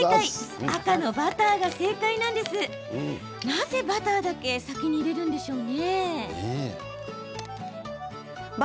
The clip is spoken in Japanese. なぜ、バターだけ先に入れるんでしょう？